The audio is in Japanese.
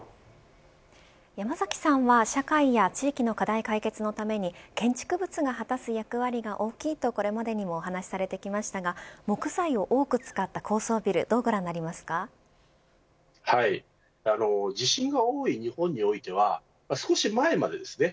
山崎さんは社会や地域の課題解決のために建築物が果たす役割が大きいとこれまでにもお話をされてきましたが木材を多く使った高層ビル地震が多い日本においては少し前までですね